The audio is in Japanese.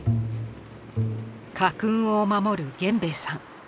家訓を守る源兵衛さん